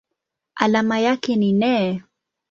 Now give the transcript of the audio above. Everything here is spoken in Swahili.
Alama yake ni Ne.